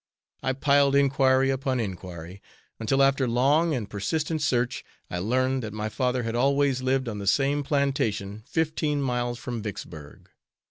I piled inquiry upon inquiry, until after long and persistent search, I learned that my father had always lived on the same plantation, fifteen miles from Vicksburg.